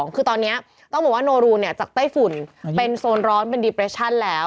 คือตอนนี้ต้องบอกว่าโนรูจากไต้ฝุ่นเป็นโซนร้อนเป็นดีเปรชั่นแล้ว